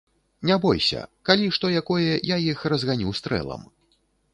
Не бойся, калі што якое, я іх разганю стрэлам.